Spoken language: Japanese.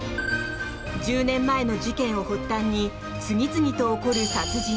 １０年前の事件を発端に次々と起こる殺人。